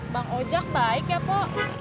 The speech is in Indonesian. bang ojak baik ya po